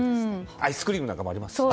アイスクリームなんかもありますね。